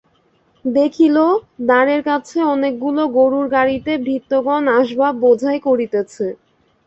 দেখিল, দ্বারের কাছে অনেকগুলা গোরুর গাড়িতে ভৃত্যগণ আসবাব বোঝাই করিতেছে।